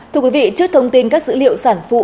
thưa quý vị trước thông tin các dữ liệu sản phụ